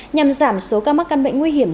nhằm giảm số ca mắc căn bệnh nguy hiểm